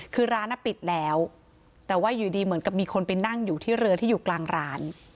คือร้านปิดแล้วแต่ว่าอยู่ดีเหมือนกับมีคนไปนั่งอยู่ที่เรือที่อยู่กลางร้าน